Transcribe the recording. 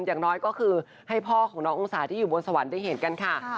อย่างน้อยก็คือให้พ่อของน้ององศาที่อยู่บนสวรรค์ได้เห็นกันค่ะ